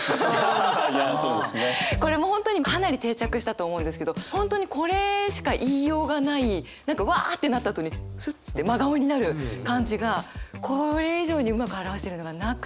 これもう本当にかなり定着したと思うんですけど本当にこれしか言いようがない何かわってなったあとにフッて真顔になる感じがこれ以上にうまく表してるのがなくて。